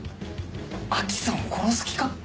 安芸さんを殺す気か？